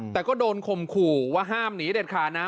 แต่ก็โดนข่มขู่ว่าห้ามหนีเด็ดขาดนะ